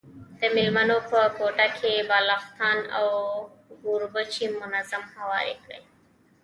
د مېلمنو په کوټه کي بالښتان او کوربچې منظم هواري دي.